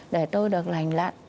để tôi được lành lặn